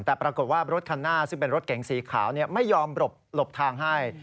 แต่ปรากฏว่ารถคันหน้าซึ่งเป็นรถเก๋งสีขาวไม่ยอมหลบทางให้